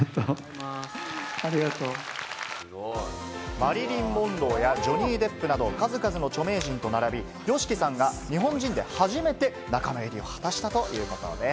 マリリン・モンローやジョニー・デップなど、数々の著名人と並び、ＹＯＳＨＩＫＩさんが日本人で初めて仲間入りを果たしたということです。